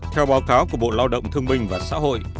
theo báo cáo của bộ lao động thương minh và xã hội